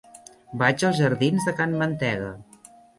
Vaig als jardins de Can Mantega.